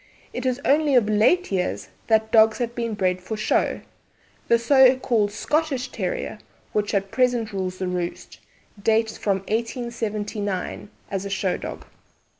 It is only of late years that dogs have been bred for show. The so called 'Scottish' Terrier, which at present rules the roost, dates from 1879 as a show dog.